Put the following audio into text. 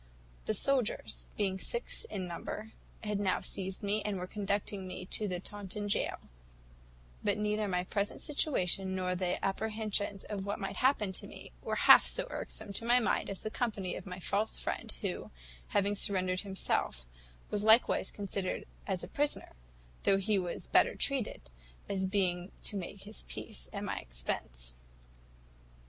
"The soldiers, being six in number, had now seized me, and were conducting me to Taunton gaol; but neither my present situation, nor the apprehensions of what might happen to me, were half so irksome to my mind as the company of my false friend, who, having surrendered himself, was likewise considered as a prisoner, though he was better treated, as being to make his peace at my expense.